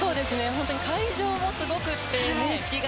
本当に会場もすごくて熱気が。